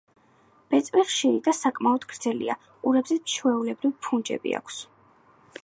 ბეწვი ხშირი და საკმაოდ გრძელია, ყურებზე ჩვეულებრივ ფუნჯები აქვთ.